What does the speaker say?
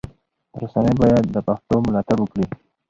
رسنی باید د پښتو ملاتړ وکړي.